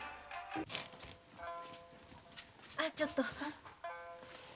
あちょっと。